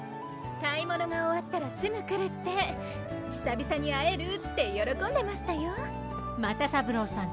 買い物が終わったらすぐ来るって久々に会えるってよろこんでましたよ又三郎さん